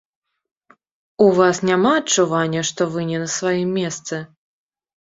У вас няма адчування, што вы не на сваім месцы?